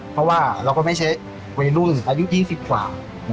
เพราะว่าเราก็ไม่ใช่วัยรุ่นอายุ๒๐กว่า